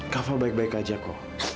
kava baik baik aja ko